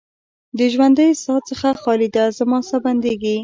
د ژوندۍ ساه څخه خالي ده، زما ساه بندیږې